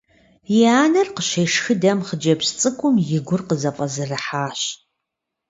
И анэр къыщешхыдэм, хъыджэбз цӀыкӀум и гур къызэфӀэзэрыхьащ.